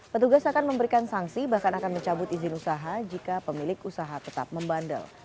petugas akan memberikan sanksi bahkan akan mencabut izin usaha jika pemilik usaha tetap membandel